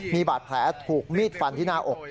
มีบาดแผลถูกมีดฟันที่หน้าอก